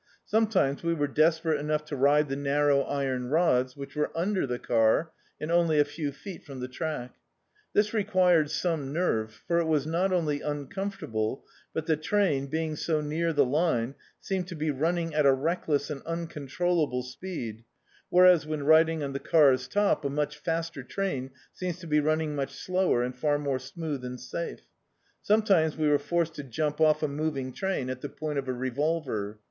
Sometimes we were desperate enough to ride the narrow iron rods, which were under the car, and only a few feet from the track. This required some nerve, for it was not only uncomfortable, but the train, being so near the line, seemed to be nuining at a reckless and uncon trollable speed, whereas, when riding on the car's top, a much faster train seems to be running much slower and far more smooth and safe. Sometimes we were forced to jump off a moving train at the point of a revolver.